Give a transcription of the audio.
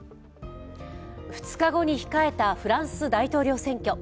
２日後に控えたフランス大統領選挙。